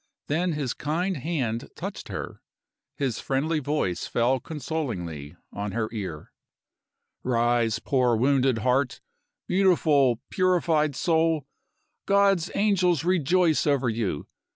Then his kind hand touched her; his friendly voice fell consolingly on her ear. "Rise, poor wounded heart! Beautiful, purified soul, God's angels rejoice over you!